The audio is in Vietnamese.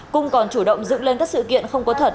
cung còn chủ động dựng lên các sự kiện không có thật